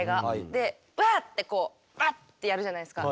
でワッてこうバッてやるじゃないですか。